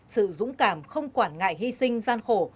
sự dũng cảm không quản ngại hy sinh gian khổ